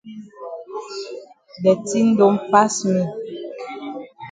De tin don pass me.